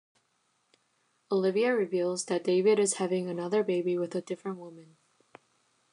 Olivia reveals that David is having another baby with a different woman.